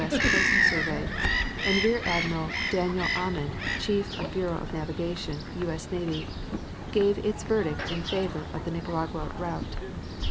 S. Coast Survey ; and Rear Admiral Daniel Ammen, Chief of Bureau of Navigation, U. S. Navy ; gave its verdict in favor of the Nicaragua route.